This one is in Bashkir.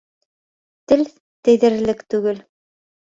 Тел тейҙерерлек түгел.